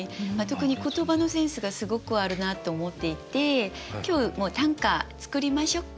特に言葉のセンスがすごくあるなと思っていて今日もう短歌作りましょっか。